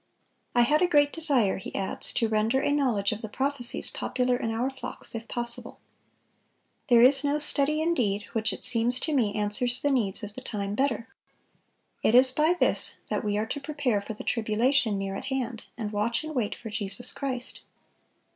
" "I had a great desire," he adds, "to render a knowledge of the prophecies popular in our flocks, if possible." "There is no study, indeed, which it seems to me answers the needs of the time better." "It is by this that we are to prepare for the tribulation near at hand, and watch and wait for Jesus Christ."